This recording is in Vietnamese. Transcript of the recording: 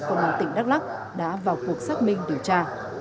công an tỉnh đắk lắc đã vào cuộc xác minh điều tra